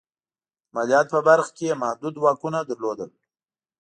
د مالیاتو په برخه کې یې محدود واکونه لرل.